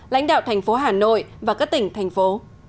lãnh đạo tp hà nội và các tỉnh thành phố